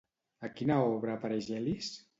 A quina obra apareix Elis?